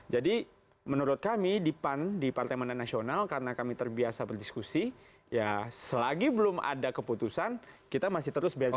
jadi menurut kami di pan di partai mana nasional karena kami terbiasa berdiskusi ya selagi belum ada keputusan kita masih terus berdiskusi